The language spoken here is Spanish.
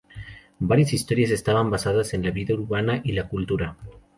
Varias historias estaban basadas en la vida urbana y la cultura.